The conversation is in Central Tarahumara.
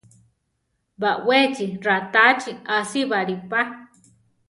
Baʼwéchi ratáachi asíbali pa.